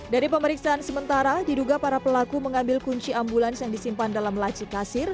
dari pemeriksaan sementara diduga para pelaku mengambil kunci ambulans yang disimpan dalam laci kasir